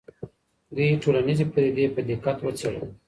دوی ټولنیزې پدیدې په دقت وڅېړلې.